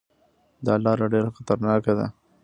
دا لاره ډېره خطرناکه ده.